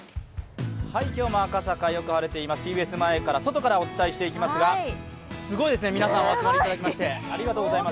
今日も赤坂、よく晴れています、ＴＢＳ前から外からお伝えしていきますが、すごいですね、皆さん、お集まりいただきまして、ありがとうございます。